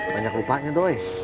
banyak lupanya doy